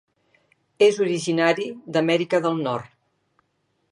És originari d'Amèrica del Nord.